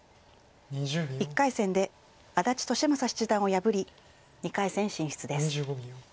１回戦で安達利昌七段を破り２回戦進出です。